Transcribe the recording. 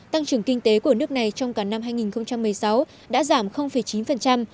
tăng trưởng kinh tế của nước này trong cả năm hai nghìn một mươi sáu đã giảm chín